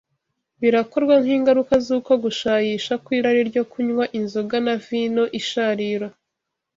birakorwa, nk’ingaruka z’uko gushayisha kw’irari ryo kunywa inzoga na vino isharira.